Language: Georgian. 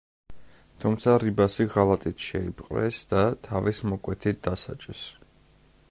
თუმცა რიბასი ღალატით შეიპყრეს და თავის მოკვეთით დასაჯეს.